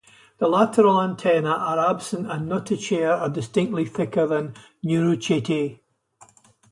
The lateral antennae are absent and notochaetae are distinctly thicker than neurochaetae.